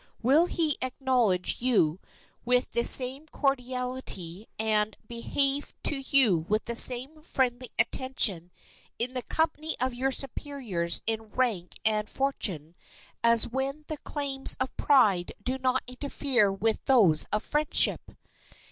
Will he acknowledge you with the same cordiality and behave to you with the same friendly attention in the company of your superiors in rank and fortune as when the claims of pride do not interfere with those of friendship?